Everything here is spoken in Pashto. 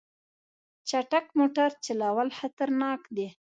چټک موټر چلول خطرناک دي.